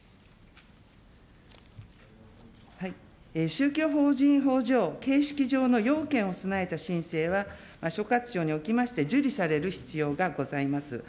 宗教法人法上、形式上の要件を備えた申請は、所轄庁におきまして受理される必要がございます。